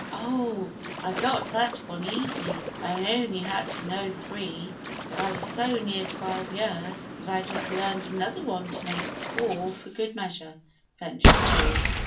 "Oh, I got that one easy! I only had to know three, but I was so near twelve years, that I just learned another one to make four for good measure," ventured Paul.